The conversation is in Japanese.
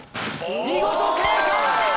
見事正解！